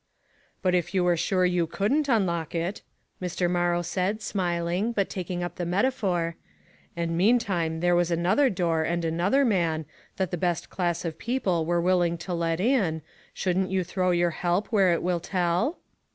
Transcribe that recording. "But if j ou were sure you couldn't un lock it," Mr. Morrow said, smiling, but tak ing up the metaphor, " and, meantime there was another door and another man, that the best class of people were willing to let in, shouldn't you throw your help where it will tell?"